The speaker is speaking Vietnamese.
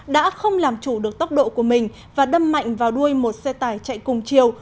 đã không làm chủ được tốc độ của mình và đâm mạnh vào đuôi một xe tải chạy cùng chiều